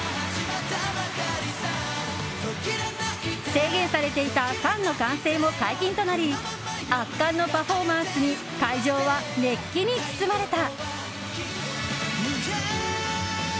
制限されていたファンの歓声も解禁となり圧巻のパフォーマンスに会場は熱気に包まれた。